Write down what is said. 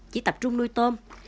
chỉ tập trung nuôi tôm